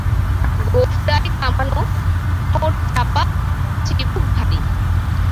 গোঁফদাড়ি কামানো, ঠোঁট চাপা, চিবুক ভারী।